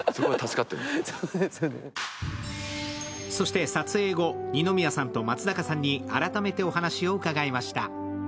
そして撮影後、二宮さんと松坂さんに改めてお話を伺いました。